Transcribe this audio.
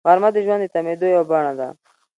غرمه د ژوند د تمېدو یوه بڼه ده